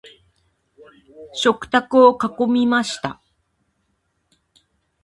食卓を囲みました。